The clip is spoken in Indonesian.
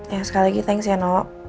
ya sekali lagi thanks ya no